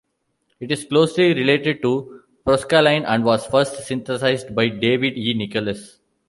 It is closely related to proscaline and was first synthesized by David E. Nichols.